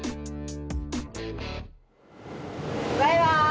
バイバーイ！